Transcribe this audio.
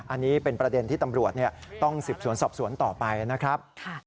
อันนี้เป็นประเด็นที่ตำรวจต้องสืบสวนสอบสวนต่อไปนะครับ